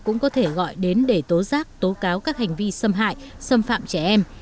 cũng có thể gọi đến để tố giác tố cáo các hành vi xâm hại xâm phạm trẻ em